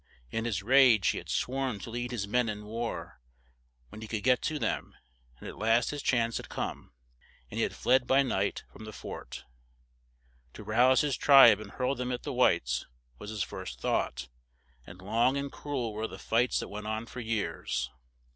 In his rage, he had sworn to lead his men in war, when he could get to them; at last his chance had come, and he had fled by night from the fort. To rouse his tribe and hurl them at the whites, was his first thought; and long and cru el were the fights that went on for years.